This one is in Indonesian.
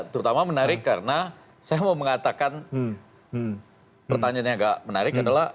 terutama menarik karena saya mau mengatakan pertanyaan yang agak menarik adalah